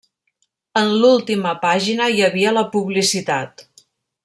En l'última pàgina hi havia la publicitat.